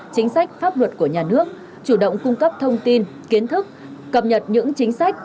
chính sách pháp luật của nhà nước chủ động cung cấp thông tin kiến thức cập nhật những chính sách